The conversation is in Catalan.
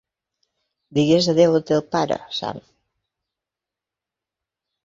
Digues adéu al teu pare, Sam.